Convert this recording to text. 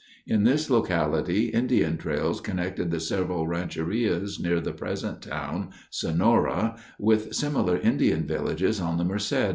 In this locality Indian trails connected the several rancherias near the present town, Sonora, with similar Indian villages on the Merced.